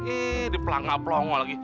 eh di pelangga pelangga lagi